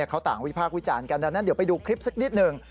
เขาต่างวิพากษ์วิจารณ์กันดังนั้นเดี๋ยวไปดูคลิปสักนิดหนึ่ง